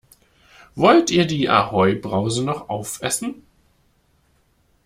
Wollt ihr die Ahoi-Brause noch aufessen?